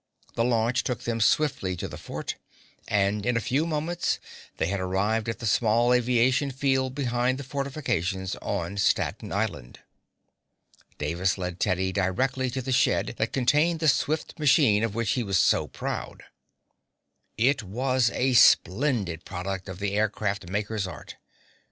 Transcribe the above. The launch took them swiftly to the fort, and in a few moments they had arrived at the small aviation field behind the fortifications on Staten Island. Davis led Teddy directly to the shed that contained the swift machine of which he was so proud. It was a splendid product of the aircraft maker's art.